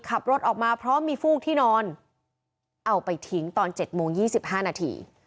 ขับรถออกมาเพราะมีฟูกที่นอนเอาไปทิ้งตอนเจ็ดโมงยี่สิบห้านาที